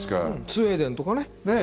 スウェーデンとかね。